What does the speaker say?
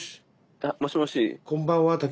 あもしもし。